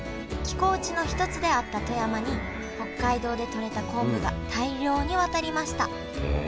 寄港地の一つであった富山に北海道でとれた昆布が大量に渡りました。